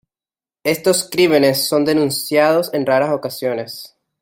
Estos crímenes son denunciados en raras ocasiones.